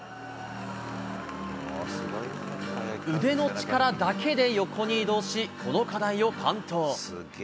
腕の力だけで横に移動し、この課題を完登。